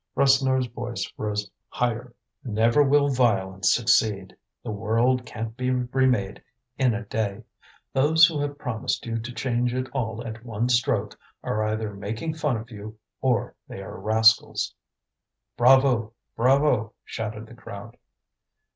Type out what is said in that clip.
Rasseneur's voice rose higher: "Never will violence succeed; the world can't be remade in a day. Those who have promised you to change it all at one stroke are either making fun of you or they are rascals!" "Bravo! bravo!" shouted the crowd.